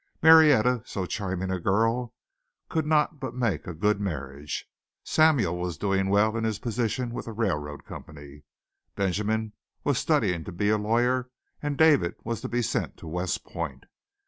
Marietta, so charming a girl, could not but make a good marriage. Samuel was doing well in his position with the railroad company; Benjamin was studying to be a lawyer and David was to be sent to West Point.